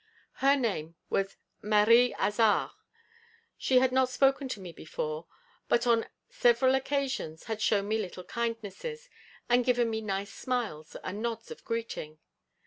Her name was Marie Hazard. She had not spoken to me before, but on several occasions had shown me little kindnesses, and given me nice smiles and nods of greeting.